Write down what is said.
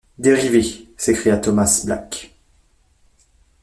Dérivé! s’écria Thomas Black.